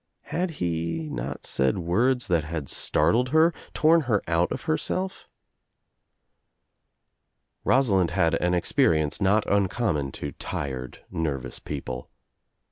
Had he not said words that had startled her, torn her out of herself? Rosalind had an experience not uncommon to tired nervous people.